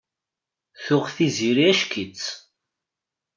Tuɣ Tiziri ack-itt.